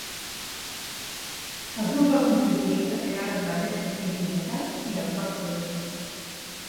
El grup va contribuir a crear les bases del heavy metal i el rock progressiu.